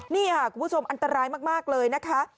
นี่ค่ะคุณผู้ชมอันตรายมากเลยนะคะ